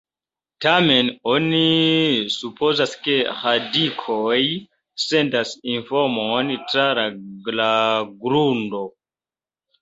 Tamen oni supozas ke radikoj sendas informon tra la grundo.